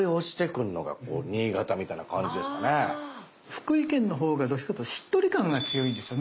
福井県のほうがどっちかというとしっとり感が強いんですよね。